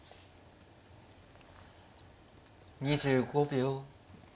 ２５秒。